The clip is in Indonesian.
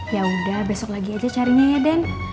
yaudah besok lagi aja carinya ya den